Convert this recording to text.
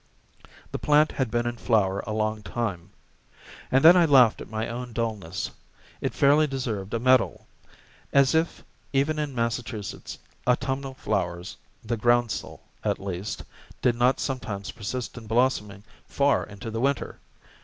The plant had been in flower a long time. And then I laughed at my own dullness. It fairly deserved a medal. As if, even in Massachusetts, autumnal flowers the groundsel, at least did not sometimes persist in blossoming far into the winter!